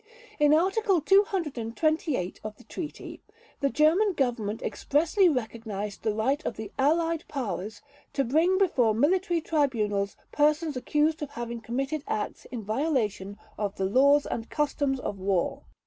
In Article 228 of the Treaty, the German Government expressly recognized the right of the Allied Powers "to bring before military tribunals persons accused of having committed acts in violation of the laws and customs of war".